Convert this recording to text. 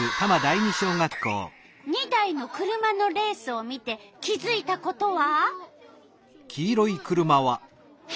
２台の車のレースを見て気づいたことは？